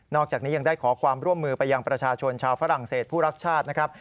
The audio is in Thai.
อกจากนี้ยังได้ขอความร่วมมือไปยังประชาชนชาวฝรั่งเศสผู้รักชาตินะครับ